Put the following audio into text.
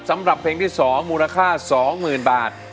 สำหรับเพลงที่๒มูลค่า๒๐๐๐บาท